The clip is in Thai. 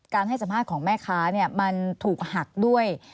ให้สัมภาษณ์ของแม่ค้ามันถูกหักด้วย